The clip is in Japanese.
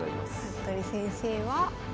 服部先生は？